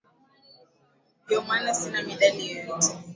Ndio maana sina medali yoyote